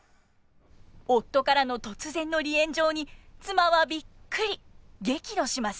夫からの突然の離縁状に妻はビックリ！激怒します。